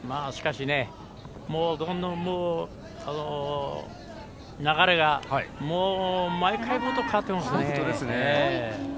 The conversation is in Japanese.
しかし、どんどん流れが毎回変わってますね。